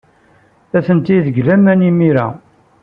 Atenti deg laman imir-a.